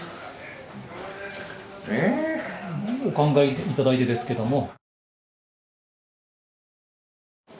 えー！お考えいただいてですけども。